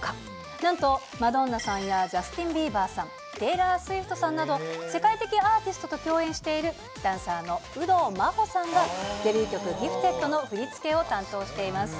なんとマドンナさんやジャスティン・ビーバーさん、テイラー・スウィフトさんなど、世界的アーティストと共演しているダンサーの有働真帆さんがデビュー曲、ギフテッドの振り付けを担当しています。